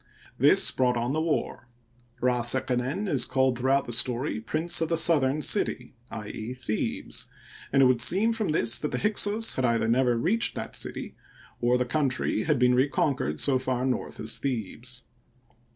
This brought on the war. Rd seqenen is called throughout the story " Prince of the Southern City "— i. e., Thebes ; and it would seem from this that the Hyksos had either never reached that city, or the country had been reconquered so far north as Thebes.